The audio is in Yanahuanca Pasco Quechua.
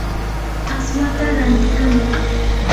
aswata rantikamay.